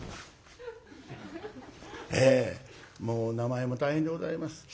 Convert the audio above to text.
ええもう名前も大変でございます。